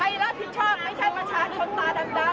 รับผิดชอบไม่ใช่ประชาชนตาดำ